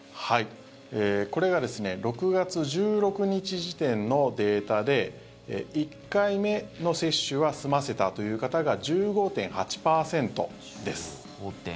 これが６月１６日時点のデータで１回目の接種は済ませたという方が１５．８％。